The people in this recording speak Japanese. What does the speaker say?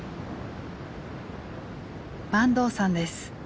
坂東さんです。